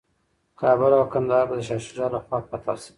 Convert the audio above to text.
کابل او کندهار به د شاه شجاع لخوا فتح شي.